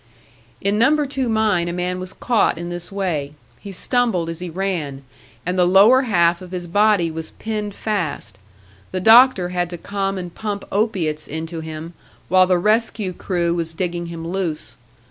In Number Two mine a man was caught in this way. He stumbled as he ran, and the lower half of his body was pinned fast; the doctor had to come and pump opiates into him, while the rescue crew was digging him loose.